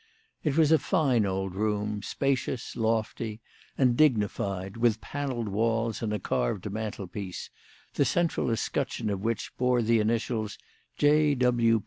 It was a fine old room, spacious, lofty, and dignified, with panelled walls and a carved mantelpiece, the central escutcheon of which bore the initials "J.